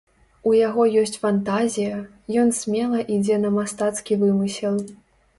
У яго ёсць фантазія, ён смела ідзе на мастацкі вымысел.